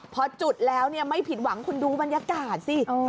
พอจุดแล้วไม่ผิดหวังคุณดูบรรยากาศสิ